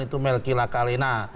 itu melki lakalina